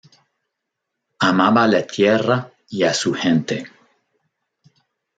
Amaba la tierra y a su gente.